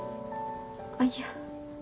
あっいや。